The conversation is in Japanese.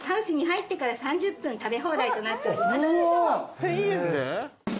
１，０００円で？